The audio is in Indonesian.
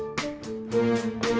nah ini dia jadwal baru